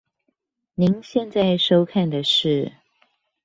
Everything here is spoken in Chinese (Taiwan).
您現在收看的是